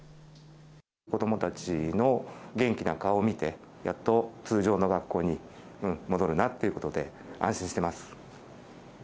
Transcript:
子どもたちの元気な顔を見て、やっと通常の学校に戻るなっていうことで、安心してます。